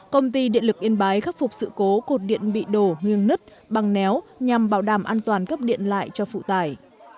công ty điện lực yên bái khắc phục sự cố cột điện bị đổ ngương nứt băng néo nhằm bảo đảm an toàn cấp điện lại cho phụ tài